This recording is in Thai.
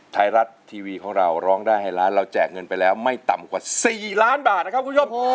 ไทยรัฐทีวีของเราร้องได้ให้ล้านเราแจกเงินไปแล้วไม่ต่ำกว่า๔ล้านบาทนะครับคุณผู้ชม